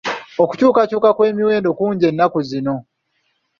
Okukyukakyuka kw'emiwendo kungi nnaku zino.